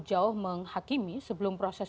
jauh menghakimi sebelum proses